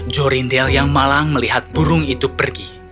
jorindel yang malang melihat burung itu pergi